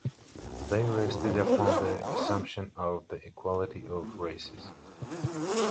They rested upon the assumption of the equality of races.